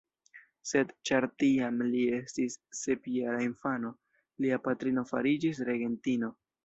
Sed ĉar tiam li estis sepjara infano, lia patrino fariĝis regentino.